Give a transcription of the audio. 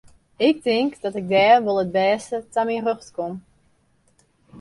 Ik tink dat ik dêr wol it bêste ta myn rjocht kom.